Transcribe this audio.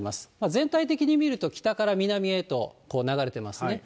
全体的に見ると、北から南へと流れてますね。